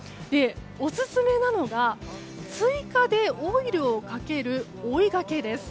オススメなのが追加でオイルをかける追いがけです。